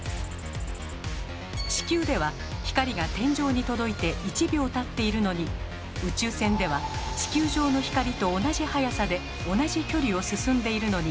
地球では光が天井に届いて１秒たっているのに宇宙船では地球上の光と同じ速さで同じ距離を進んでいるのに